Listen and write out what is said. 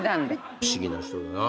不思議な人だなって。